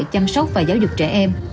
chăm sóc và giáo dục trẻ em